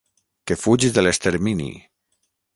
Que fuig de l'extermini...